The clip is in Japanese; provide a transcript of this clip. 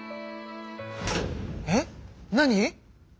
えっ何？